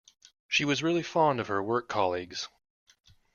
She was really fond of her work colleagues.